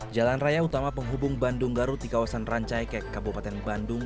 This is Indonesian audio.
jalan raya utama penghubung bandung garut di kawasan rancaikek kabupaten bandung